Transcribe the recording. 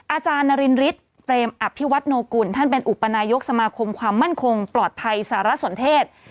อาจารย์นารินฤทธิ์เปรมอภิวัตโนกุลท่านเป็นอุปนายกสมาคมความมั่นคงปลอดภัยสารสนเทศ